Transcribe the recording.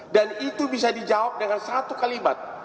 dan itu bisa dijawab dengan satu kalibat